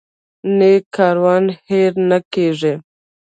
نیک کارونه هیر نه کیږي